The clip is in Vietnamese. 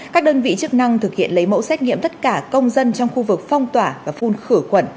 các đơn vị chức năng thực hiện lấy mẫu xét nghiệm tất cả công dân trong khu vực phong tỏa và phun khử khuẩn